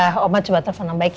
sekarang oma telepon om baik ya